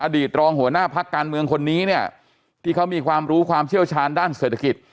รองหัวหน้าพักการเมืองคนนี้เนี่ยที่เขามีความรู้ความเชี่ยวชาญด้านเศรษฐกิจ